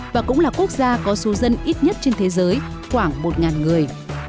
và cũng là quốc gia có số dân ít nhất trên thế giới khoảng một người